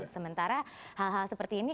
sementara hal hal seperti ini